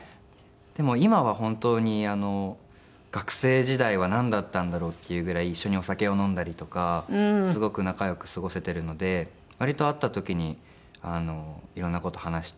でも今は本当に学生時代はなんだったんだろうっていうぐらい一緒にお酒を飲んだりとかすごく仲良く過ごせているので割と会った時に色んな事を話して。